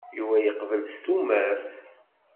Yuba yeqbel s tumert.